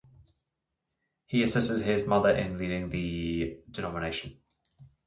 He assisted his mother in leading the denomination.